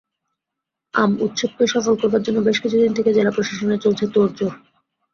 আম উৎসবকে সফল করার জন্য বেশ কিছুদিন থেকেই জেলা প্রশাসনে চলছে তোড়জোড়।